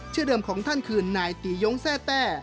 ชื่อเดิมของท่านคือนายตียงแทร่แต้